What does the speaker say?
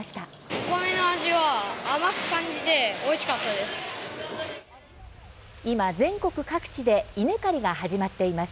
お米の味は、甘く感じておいしかったです。